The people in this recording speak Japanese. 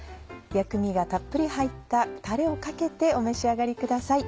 薬味がたっぷり入ったタレをかけてお召し上がりください。